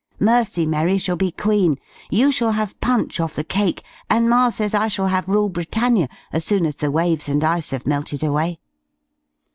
Mercy Merry shall be Queen. You shall have Punch off the cake; and ma'says I shall have "Rule Britannia," as soon as the waves and ice have melted away.